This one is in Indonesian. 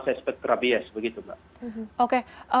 sespek rabies begitu mbak